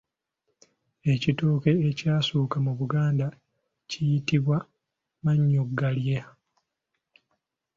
Ekitooke ekyasooka mu Buganda kiyitibwa mannyogalya.